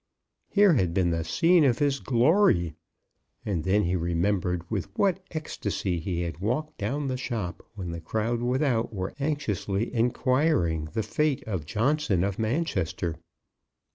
Here had been the scene of his glory! And then he remembered with what ecstasy he had walked down the shop, when the crowd without were anxiously inquiring the fate of Johnson of Manchester.